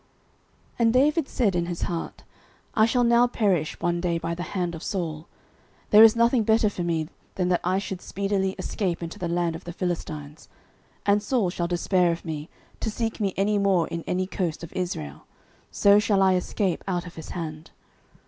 09:027:001 And David said in his heart, I shall now perish one day by the hand of Saul: there is nothing better for me than that I should speedily escape into the land of the Philistines; and Saul shall despair of me, to seek me any more in any coast of Israel: so shall I escape out of his hand.